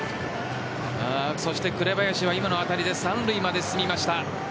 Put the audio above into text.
そして紅林は今の当たりで三塁まで進みました。